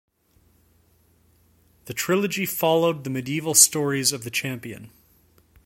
The trilogy followed the medieval stories of the champion.